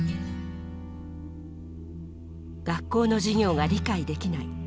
学校の授業が理解できない。